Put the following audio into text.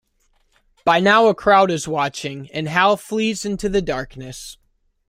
By now a crowd is watching, and Hal flees into the darkness.